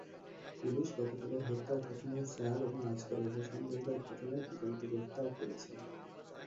Police গতকালের হত্যার ঘটনায় চার এবং আজকের অগ্নিসংযোগের ঘটনায় দুজনকে গ্রেপ্তার করেছে।